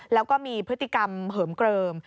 แล้วก็มีพฤติกรรมเหิมเกลิม